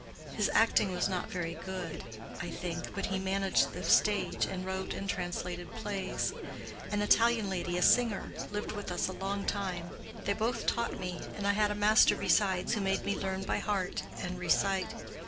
His acting was not very good; I think, but he managed the stage, and wrote and translated plays. An Italian lady, a singer, lived with us a long time. They both taught me, and I had a master besides, who made me learn by heart and recite.